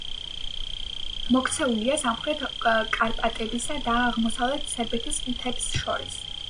მოქცეულია სამხრეთ კარპატებსა და აღმოსავლეთ სერბეთის მთებს შორის.